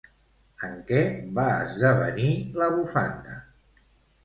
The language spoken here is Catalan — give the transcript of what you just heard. En què va esdevenir la bufanda?